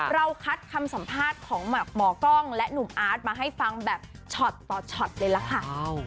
เราคัดคำสัมภาษณ์ของหมักหมอกล้องและหนุ่มอาร์ตมาให้ฟังแบบช็อตต่อช็อตเลยล่ะค่ะ